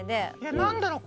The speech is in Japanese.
何だろう